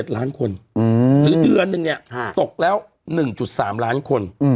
๒๗ล้านคนหรือเดือนหนึ่งตกแล้ว๑๓ล้านคน